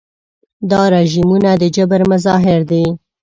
دا رژیمونه د جبر مظاهر دي.